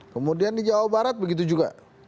kemudian di jawa barat begitu juga